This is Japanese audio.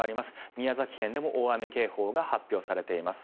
宮崎県でも大雨警報が発表されています。